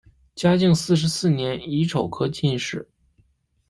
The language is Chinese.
嘉靖四十四年乙丑科进士。